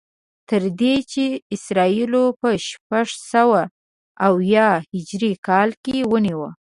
تر دې چې اسرائیلو په شپږسوه او اویا هجري کال کې ونیو.